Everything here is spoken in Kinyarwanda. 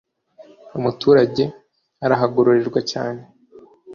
umuturage arahagorerwa cyane